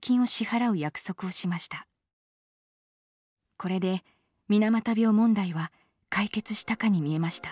これで水俣病問題は解決したかに見えました。